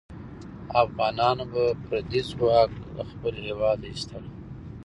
افغانان به پردی ځواک له خپل هېواد ایستله.